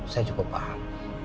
saya cukup paham